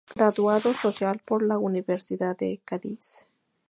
Graduado Social por la Universidad de Cádiz.